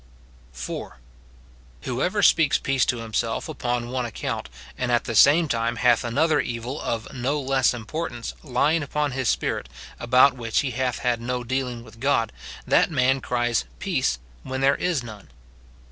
4. Whoever speaks peace to himself upon one ac count, and at the same time hath another evil of tw less imjwrtance lying upon his spirit, about which he hath had no dealing with God, that man cries " Peace" 288 MORTIFICATION OP when there is none.